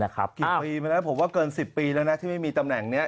กี่ปีมาแล้วผมว่าเกิน๑๐ปีแล้วนะที่ไม่มีตำแหน่งนี้